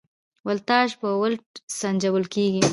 ولتاژ په ولټ سنجول کېږي.